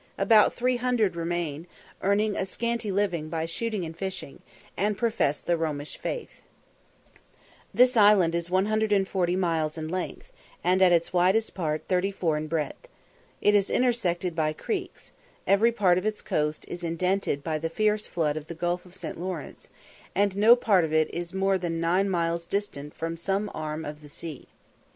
About three hundred remain, earning a scanty living by shooting and fishing, and profess the Romish faith. This island is 140 miles in length, and at its widest part 34 in breadth. It is intersected by creeks; every part of its coast is indented by the fierce flood of the Gulf of St. Lawrence, and no part of it is more than nine miles distant from some arm of the sea.